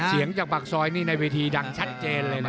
เสียงจากปากซอยนี่ในเวทีดังชัดเจนเลยนะ